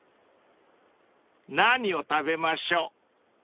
［何を食べましょう？］